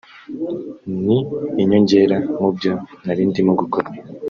Ni inyongera mu byo nari ndimo gukora